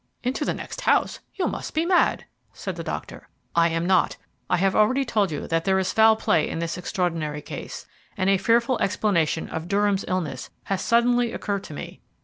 "Into the next house? You must be mad," said the doctor. "I am not. I have already told you that there is foul play in this extraordinary case, and a fearful explanation of Durham's illness has suddenly occurred to me.